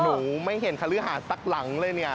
หนูไม่เห็นคฤหาสักหลังเลยเนี่ย